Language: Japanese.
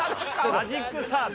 マジックサーブ！